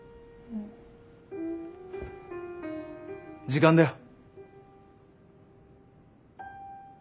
時間だよ。